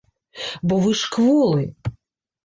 Бо вы ж кволы.